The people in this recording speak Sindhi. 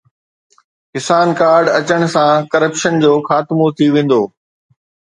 ڪسان ڪارڊ اچڻ سان ڪرپشن جو خاتمو ٿي ويندو